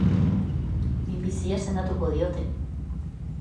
Minbizia sendatuko diote.